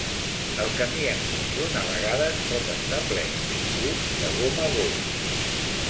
El camí en conjunt a vegades pot estar ple, inclús de gom a gom.